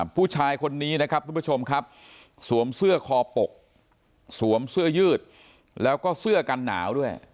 ผู้ชายคนนี้นะครับทุกผู้ชมครับสวมเสื้อคอปกสวมเสื้อยืดแล้วก็เสื้อกันหนาวด้วย